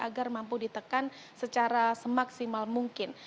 agar mampu ditekan secara semaksimal mungkin